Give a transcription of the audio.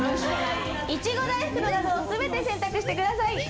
イチゴ大福の画像を全て選択してください。